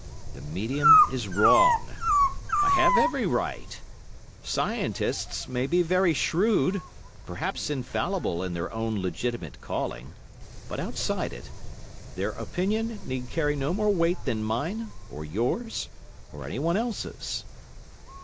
The medium is wrong. I have every right. Scientists may be very shrewd, perhaps infallible in their own legitimate calling, but, outside it, their opinion need carry no more weight than mine, or yours, or anyone else's.